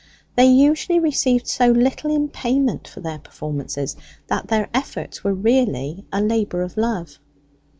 They usually received so little in payment for their performances that their efforts were really a labour of love.